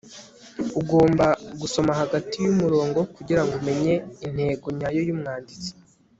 ugomba gusoma hagati yumurongo kugirango umenye intego nyayo yumwanditsi